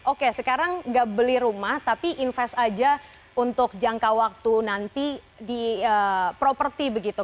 oke sekarang nggak beli rumah tapi invest aja untuk jangka waktu nanti di properti begitu